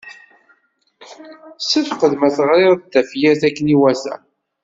Ssefqed ma teɣriḍ-d tafyirt akken iwata.